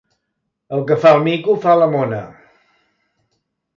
El que fa el mico fa la mona.